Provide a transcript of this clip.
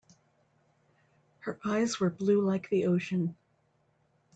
Her eyes were blue like the ocean.